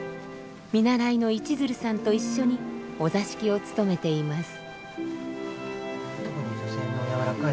見習いのいち鶴さんと一緒にお座敷をつとめています。